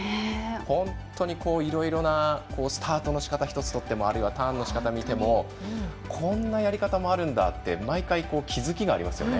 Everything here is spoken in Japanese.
いろいろなスタートのしかた１つとってもあるいはターンのしかたを見てもこんなやり方もあるんだって毎回、気づきがありますよね。